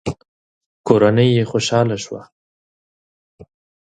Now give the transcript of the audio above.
کورنۍ يې خوشاله شوه.